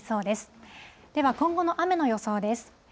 では、今後の雨の予想です。